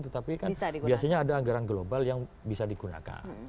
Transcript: tetapi kan biasanya ada anggaran global yang bisa digunakan